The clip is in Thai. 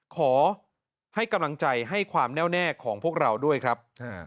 ขอให้กำลังใจให้ความแน่วแน่ของพวกเราด้วยครับ